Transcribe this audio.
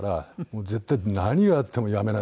絶対何があっても辞めない！